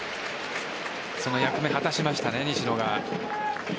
その役目を果たしましたね西野が。